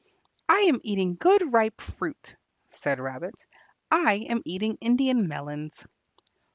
"I am eating good ripe fruit," said Rabbit. "I am eating Indian melons."